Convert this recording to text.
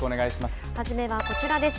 はじめはこちらです。